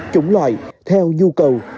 chủng loại theo nhu cầu